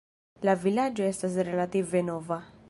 La vilaĝo estas relative nova.